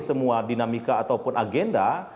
semua dinamika ataupun agenda